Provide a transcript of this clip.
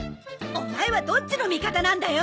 オマエはどっちの味方なんだよ！